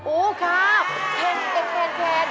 อู๊ครับแพน